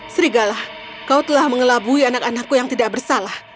serigala kau telah mengelabui anak anakku yang tidak bersalah